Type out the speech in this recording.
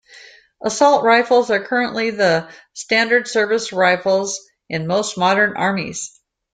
Assault rifles are currently the standard service rifles in most modern armies.